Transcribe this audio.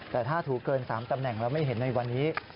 แต่ถ้าถูเกิน๓ตำแหน่งแล้วไม่เห็นในวันนี้